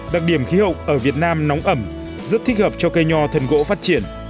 đặc điểm khí hậu ở việt nam nóng ẩm rất thích hợp cho cây nhò thần gỗ phát triển